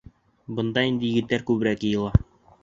Бында инде егеттәр күберәк йыйыла.